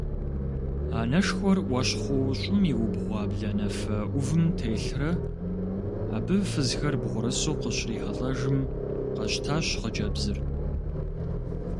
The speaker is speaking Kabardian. Анэшхуэр Ӏуэщхъуу щӀым иубгъуа бланэфэ Ӏувым телърэ, абы фызхэр бгъурысу къыщрихьэлӀэжым, къэщтащ хъыджэбзыр.